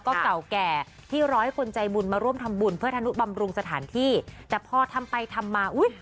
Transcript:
ก็เก่าแก่ที่ร้อยคนใจบุญมาร่วมทำบุญเพื่อธนุบำรุงสถานที่แต่พอทำไปทำมาอุ้ย